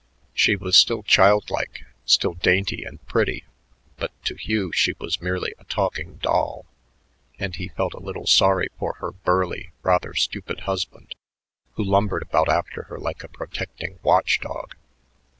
She was still childlike, still dainty and pretty, but to Hugh she was merely a talking doll, and he felt a little sorry for her burly, rather stupid husband who lumbered about after her like a protecting watch dog.